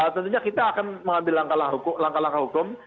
tentunya kita akan mengambil langkah langkah hukum